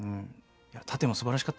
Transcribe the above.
いやすばらしかった。